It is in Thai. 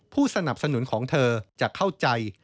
ผู้สนับสนุนของเธอจะเข้าใจ